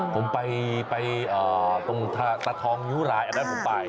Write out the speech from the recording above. ผมไปตรงตะทองนิ้วรายอันนั้นผมไป